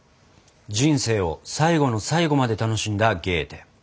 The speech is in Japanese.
人生を最後の最後まで楽しんだゲーテ。